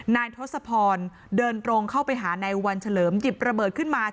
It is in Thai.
ทศพรเดินตรงเข้าไปหาในวันเฉลิมหยิบระเบิดขึ้นมา